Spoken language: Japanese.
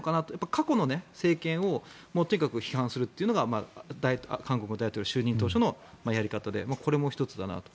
過去の政権をとにかく非難するというのが韓国の大統領の就任当初のやり方でこれも１つだなと。